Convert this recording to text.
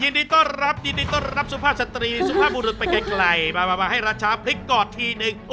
อันนี้ให้ดูพริกเลยดูพริกก่อนนะ